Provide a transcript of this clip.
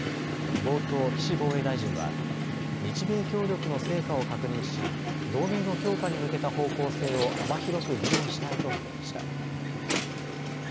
冒頭、岸防衛大臣は日米協力の成果を確認し同盟の強化に向けた方向性を幅広く議論したいと述べました。